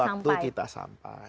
waktu kita sampai